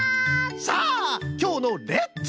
さあきょうの「レッツ！